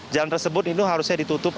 jalan tersebut ini harusnya ditutup